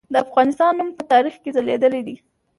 د افغانستان نوم په تاریخ کې ځلیدلی دی.